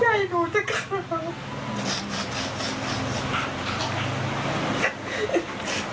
ใจใจหนูจังครับ